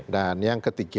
dan yang ketiga